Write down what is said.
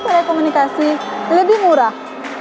telekomunikasi lebih murah